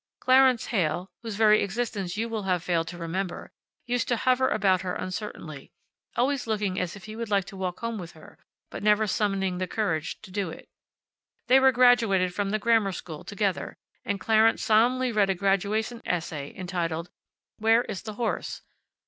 Clarence Heyl, whose very existence you will have failed to remember, used to hover about her uncertainly, always looking as if he would like to walk home with her, but never summoning the courage to do it. They were graduated from the grammar school together, and Clarence solemnly read a graduation essay entitled "Where is the Horse?"